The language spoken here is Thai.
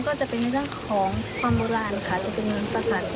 ก็จะเป็นเรื่องของความโบราณค่ะ